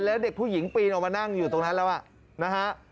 แล้วเด็กผู้หญิงปีนออกมานั่งอยู่ตรงนั้นแล้วนะฮะ